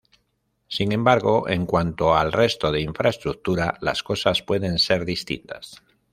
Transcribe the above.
Sin embargo, en cuanto al resto de infraestructura las cosas pueden ser distintas.